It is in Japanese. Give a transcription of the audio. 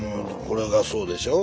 これがそうでしょ？